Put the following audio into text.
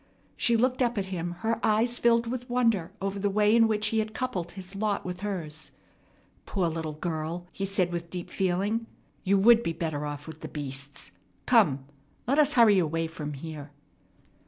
She looked up at him, her eyes filled with wonder over the way in which he had coupled his lot with hers. "Poor little girl!" he said with deep feeling. "You would be better off with the beasts. Come, let us hurry away from here!"